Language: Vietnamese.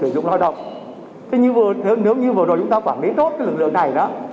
nhưng nếu như vừa rồi chúng ta quản lý tốt lực lượng này đó